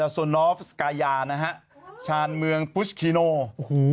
โซนอฟสกายานะฮะชาญเมืองปุชคีโนโอ้โห